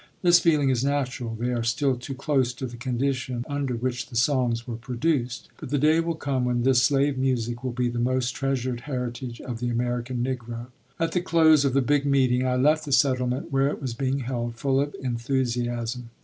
This feeling is natural; they are still too close to the conditions under which the songs were produced; but the day will come when this slave music will be the most treasured heritage of the American Negro. At the close of the "big meeting" I left the settlement where it was being held, full of enthusiasm.